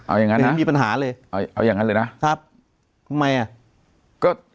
เอาอย่างนั้นนะเอาอย่างนั้นเลยนะครับทำไมอ่ะ